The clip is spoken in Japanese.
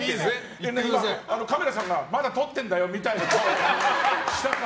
カメラさんがまだ撮ってるんだよみたいな。